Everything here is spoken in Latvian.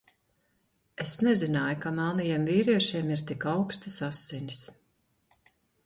Es nezināju, ka melnajiem vīriešiem ir tik aukstas asinis.